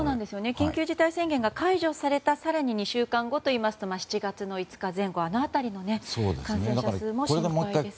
緊急事態宣言が解除された更に２週間後といいますと７月５日前後、この辺りの感染者数も心配ですね。